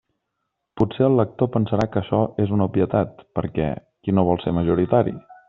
Potser el lector pensarà que açò és una obvietat, perquè ¿qui no vol ser majoritari?